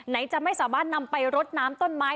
จะไม่สามารถนำไปรดน้ำต้นไม้